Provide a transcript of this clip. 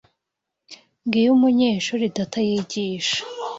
Ngiyo umunyeshuri data yigisha.